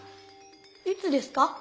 いつですか？